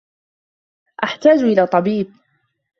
أحتاج إلى طبيب.